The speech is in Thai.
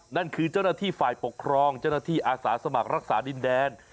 นั่นคือเจ้าหน้าที่ฝ่ายปกครองเจ้าหน้าที่อาสาสมัครรักษาดินแดน